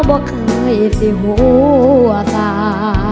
ว่าเคยสิหัวสา